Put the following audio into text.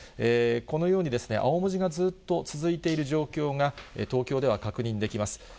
このように、青文字がずっと続いている状況が、東京では確認できます。